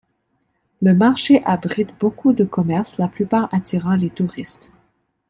Le marché abrite beaucoup de commerces, la plupart attirant les touristes.